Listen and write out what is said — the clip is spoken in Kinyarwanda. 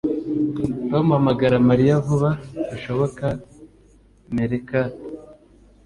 Tom hamagara Mariya vuba bishoboka meerkat